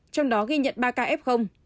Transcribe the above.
trong đó ghi nhận ba kf